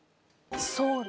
ソウル。